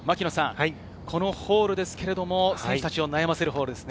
このホールですが、選手たちを悩ませるホールですね。